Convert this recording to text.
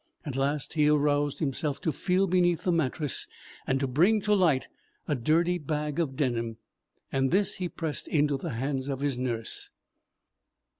At last he aroused himself to feel beneath the mattress, and to bring to light a dirty bag of denim. This he pressed into the hand of his nurse.